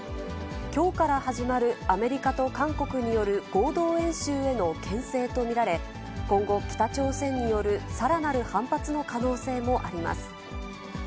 きょうから始まるアメリカと韓国による合同演習へのけん制と見られ、今後、北朝鮮によるさらなる反発の可能性もあります。